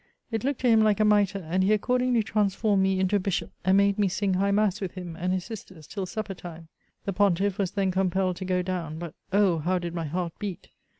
It looked toliim like a mitre, and he accordingly transformed me into a bishop, and made me sing ^ighinass with him and his sisters till supper time. The pontiff was then compelled to go down ; but, oh ! how did my heart beat